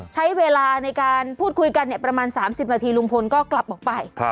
ใช้เวลาในการพูดคุยกันประมาณ๓๐นาทีลุงพลก็กลับออกไป